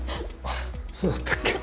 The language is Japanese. あっそうだったっけ？